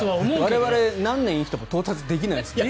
我々、何年生きても到達できないです。